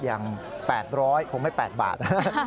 อย่าง๘๐๐คงไม่๘บาท